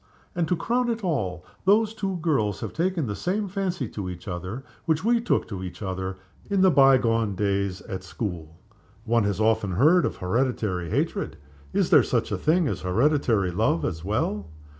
And, to crown it all, those two girls have taken the same fancy to each other which we took to each other in the by gone days at school. One has often heard of hereditary hatred. Is there such a thing as hereditary love as well?"